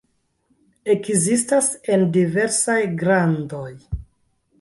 Ekzistas en diversaj grandoj.